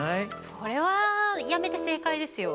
それは辞めて正解ですよ。